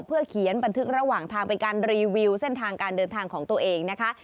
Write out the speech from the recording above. เพื่อเขียนบันทึกระหว่างทางเป็นการรีวิวเส้นทางการเดินทางของตัวเองนะคะ